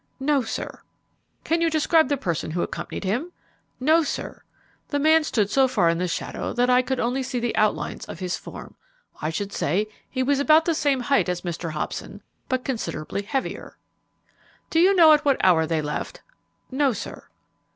"No, sir." "Can you describe the person who accompanied him?" "No, sir. The man stood so far in the shadow that I could only see the outlines of his form. I should say he was about the same height as Mr. Hobson, but considerably heavier." "Do you know at what hour they left?" "No, sir."